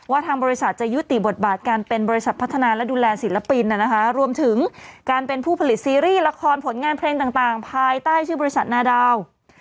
ทางบริษัทจะยุติบทบาทการเป็นบริษัทพัฒนาและดูแลศิลปินรวมถึงการเป็นผู้ผลิตซีรีส์ละครผลงานเพลงต่างภายใต้ชื่อบริษัทนาดาว